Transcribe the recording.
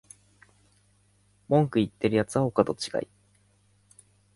文句言ってるやつはお門違い